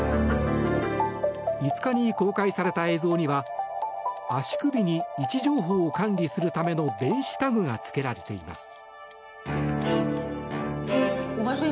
５日に公開された映像には足首に位置情報を管理するための電子タグがつけられています。